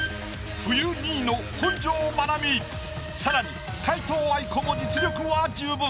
冬２位の本上まなみ更に皆藤愛子も実力は十分。